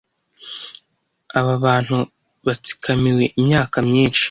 Aba bantu batsikamiwe imyaka myinshi,